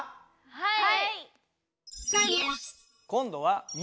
はい！